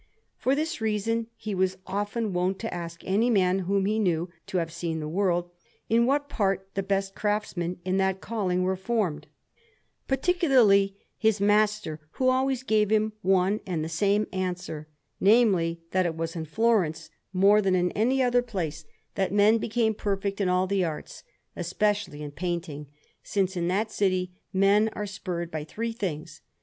For this reason he was often wont to ask any man whom he knew to have seen the world, in what part the best craftsmen in that calling were formed; particularly his master, who always gave him one and the same answer namely, that it was in Florence more than in any other place that men became perfect in all the arts, especially in painting, since in that city men are spurred by three things.